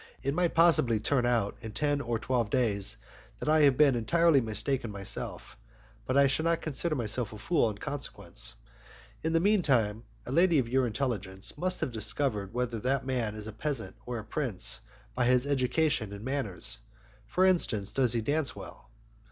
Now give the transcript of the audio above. It might possibly turn out, in ten or twelve days, that I have been entirely mistaken myself, but I should not consider myself a fool in consequence. In the mean time, a lady of your intelligence must have discovered whether that man is a peasant or a prince by his education and manners. For instance, does he dance well?"